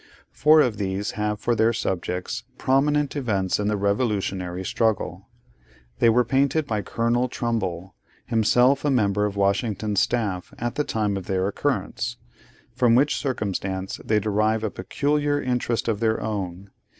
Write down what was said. Four of these have for their subjects prominent events in the revolutionary struggle. They were painted by Colonel Trumbull, himself a member of Washington's staff at the time of their occurrence; from which circumstance they derive a peculiar interest of their own.